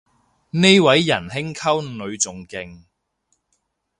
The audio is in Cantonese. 呢位人兄溝女仲勁